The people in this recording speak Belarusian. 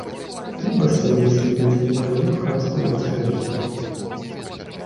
Рыба сваімі сківіцамі можа лёгка расколваць арэхі.